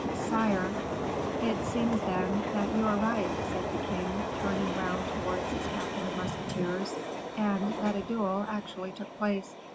"Sire " "It seems, then, that you are right," said the king, turning round towards his captain of musketeers, "and that a duel actually took place."